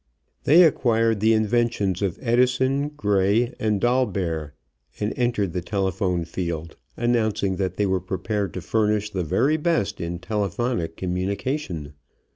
They acquired the inventions of Edison, Gray, and Dolbear, and entered the telephone field, announcing that they were prepared to furnish the very best in telephonic communication.